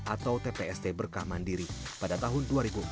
atau tpst berkah mandiri pada tahun dua ribu empat belas